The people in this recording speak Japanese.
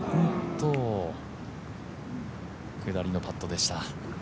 下りのパットでした。